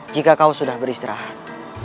jika kau sudah beristirahat